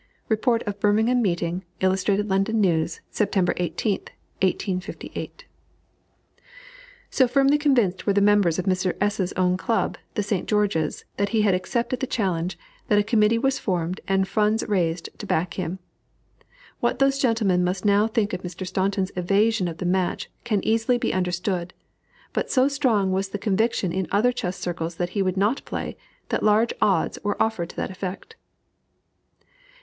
(Report of Birmingham meeting, Illustrated London News, Sept. 18, 1858. So firmly convinced were the members of Mr. S.'s own club, the St. George's, that he had accepted the challenge, that a committee was formed, and funds raised to back him. What those gentlemen must now think of Mr. Staunton's evasion of the match can easily be understood; but so strong was the conviction in other chess circles that he would not play, that large odds were offered to that effect.